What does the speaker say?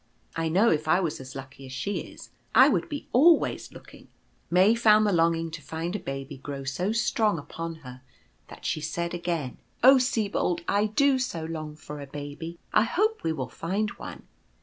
I know if I was as lucky as she is, I would be always looking." May found the longing to find a baby grow so strong upon her that she said again : 1 74 What happened from quarrelling. iC Oh, Sibol J, I do so long for a Baby ; I hope we will find one."